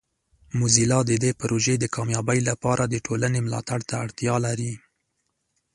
موزیلا د دې پروژې د کامیابۍ لپاره د ټولنې ملاتړ ته اړتیا لري.